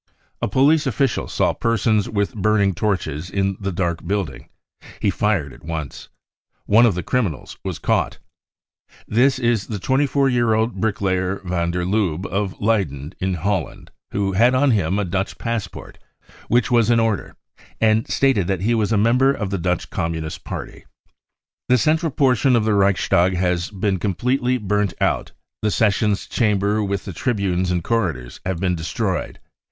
A police official saw persons with burning torches in the dark building. Fie fired at once. One of the criminals was caught. This is the 24 year old bricklayer Van der Lubbe of JLeyden in Holland, who had on him^a Dutch passport, which was in order, and stated that he was a member of the Dutch Communist Party. 4 4 The central portion of the Reichstag has been com "' pletely burnt out, the sessions chamber with the 1 the Ileal incendiaries 67 tribunes and coiVidors have been destroyed.